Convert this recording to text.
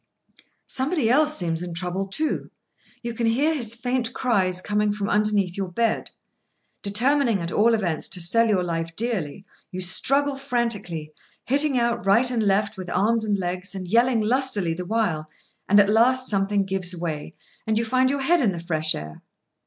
Somebody else seems in trouble, too. You can hear his faint cries coming from underneath your bed. Determining, at all events, to sell your life dearly, you struggle frantically, hitting out right and left with arms and legs, and yelling lustily the while, and at last something gives way, and you find your head in the fresh air.